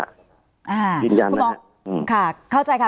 อ่าคุณหมอค่ะเข้าใจค่ะ